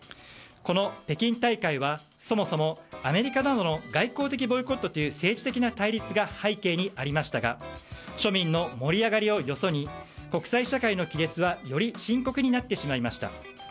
この北京大会はそもそもアメリカらとの外交的ボイコットという政治的な対立が背景にありましたが庶民の盛り上がりをよそに国際社会の亀裂はより深刻になってしまいました。